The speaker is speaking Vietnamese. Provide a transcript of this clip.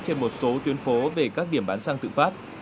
trên một số tuyến phố về các điểm bán xăng tự phát